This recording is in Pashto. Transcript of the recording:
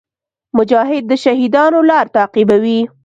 مجاهد د شهیدانو لار تعقیبوي.